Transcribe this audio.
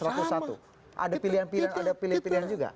ada pilihan pilihan juga